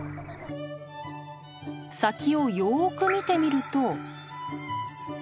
先をよく見てみると。